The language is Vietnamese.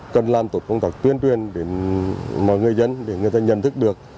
cần làm tốt công tác tuyên truyền đến mọi người dân để người ta nhận thức được